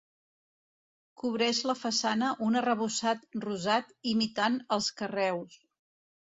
Cobreix la façana un arrebossat rosat imitant els carreus.